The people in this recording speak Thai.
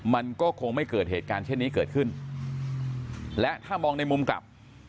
มันก็คงไม่เกิดเหตุการณ์เช่นนี้เกิดขึ้นและถ้ามองในมุมกลับ